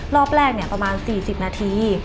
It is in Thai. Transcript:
รอบแรกประมาณ๔๐นาที